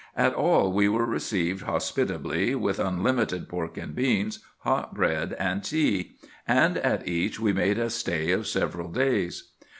At all we were received hospitably, with unlimited pork and beans, hot bread and tea; and at each we made a stay of several days.